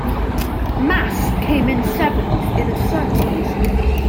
Mass came in seventh in a Surtees.